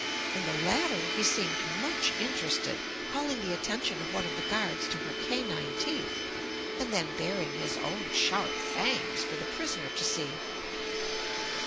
In the latter he seemed much interested, calling the attention of one of the guards to her canine teeth and then baring his own sharp fangs for the prisoner to see.